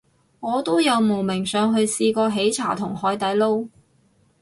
我都有慕名上去試過喜茶同海底撈